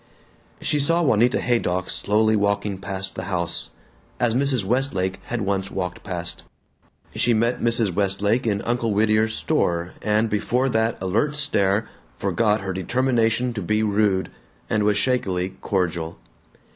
She saw Juanita Haydock slowly walking past the house as Mrs. Westlake had once walked past. She met Mrs. Westlake in Uncle Whittier's store, and before that alert stare forgot her determination to be rude, and was shakily cordial.